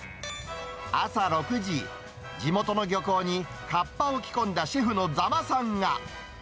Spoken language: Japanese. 朝６時、地元の漁港に、かっぱを着込んだシェフの座間さんが。